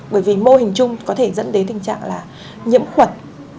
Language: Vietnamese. bởi vì mô hình chung có thể dẫn đến tình trạng là nhiễm khuẩn